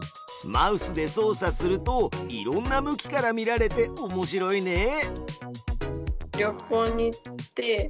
マウスで操作するといろんな向きから見られておもしろいね！